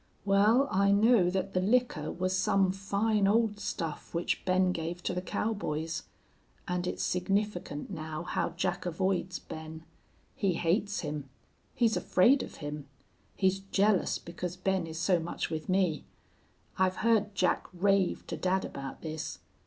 Well, I know that the liquor was some fine old stuff which Ben gave to the cowboys. And it's significant now how Jack avoids Ben. He hates him. He's afraid of him. He's jealous because Ben is so much with me. I've heard Jack rave to dad about this.